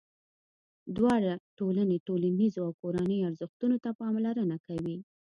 دواړه ټولنې ټولنیزو او کورنیو ارزښتونو ته پاملرنه کوي.